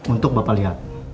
untuk bapak lihat